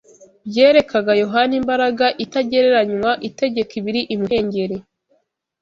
byerekaga Yohana imbaraga itagereranywa itegeka ibiri imuhengeri